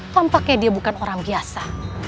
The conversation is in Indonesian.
tampaknya dia bukan orang biasa